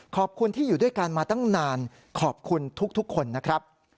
ขอบคุณที่อยู่ด้วยกันมาตั้งนานขอบคุณทุกคนนะครับ